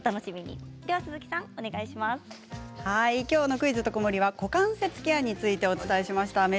きょうの「クイズとくもり」は股関節ケアについてお伝えしました。